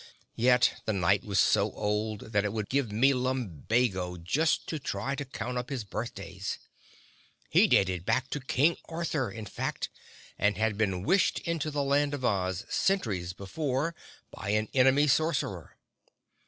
Yet the Knight was so old that it would give me lumbago just to try to count up his birthdays. He dated back to King Arthur, in fact, and had been wished into the Land of Oz centuries before by an enemy sorcerer.